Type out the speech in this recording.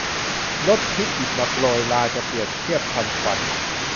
รสทิพย์หยิบมาโปรย ฤๅจะเปรียบเทียบทันขวัญ